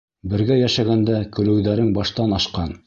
Бергә йәшәгәндә көлөүҙәрең баштан ашҡан.